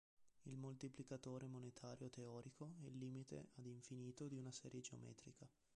Il moltiplicatore monetario teorico è il limite ad infinito di una serie geometrica.